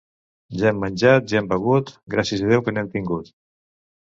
Ja hem menjat, ja hem begut, gràcies a Déu que n'hem tingut.